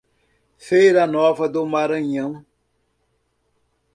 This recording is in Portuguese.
Feira Nova do Maranhão